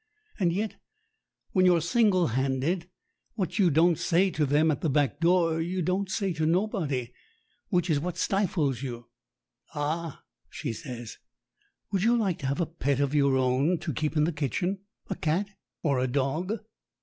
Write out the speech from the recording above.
And yet, when you're single handed, what you don't say to them at the back door you don't say to nobody, which is what stifles you." "Ah!" she says, "would you like to have a pet of your own to keep in the kitchen a cat or a dog?"